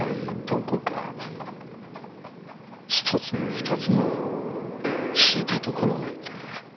どこか一つも二つも引いたところがあってな。